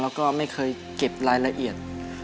แล้วก็ไม่เคยเก็บรายละเอียด